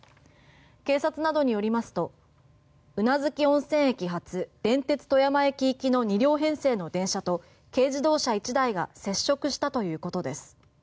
警察などによりますと宇奈月温泉駅発電鉄富山駅行きの２両編成の電車と軽自動車１台が接触したということです。